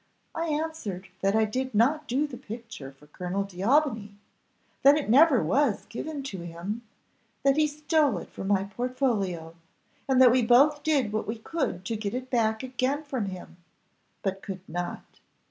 I answered that I did not do the picture for Colonel D'Aubigny; that it never was given to him; that he stole it from my portfolio, and that we both did what we could to get it back again from him, but could not.